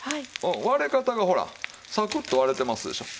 割れ方がほらサクッと割れてますでしょう。